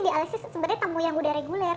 di alexis sebenarnya tamu yang udah reguler